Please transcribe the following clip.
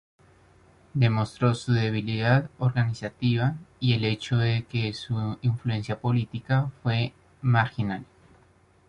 Demostró su debilidad organizativa y el hecho de que su influencia política fue marginal.